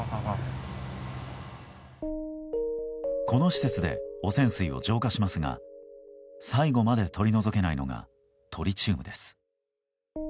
この施設で汚染水を浄化しますが最後まで取り除けないのがトリチウムです。